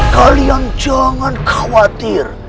kalian jangan khawatir